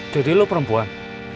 jadi lo perempuan